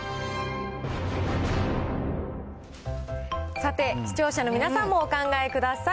さて、視聴者の皆さんもお考えください。